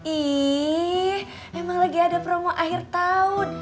ih emang lagi ada promo akhir tahun